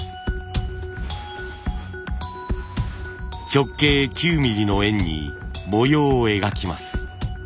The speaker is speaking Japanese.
直径９ミリの円に模様を描きます。